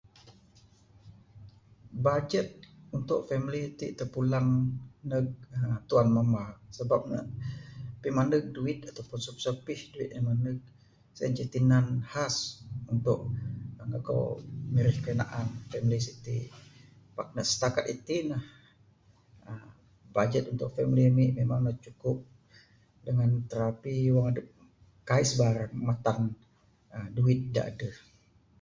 Bajet untuk family ti terpulang neg aaa tuan mamba, sabab ne pimaneg duit adep masu apih duit en maneg, sien ceh tinan khas untuk aaa ngegeu, mirih kayuh naan family siti, pak ne stakat itin ne aaa bajet untuk family ami memang ne cukup dengan terapi wang adep kai sbarang matan aaa duit da adeh.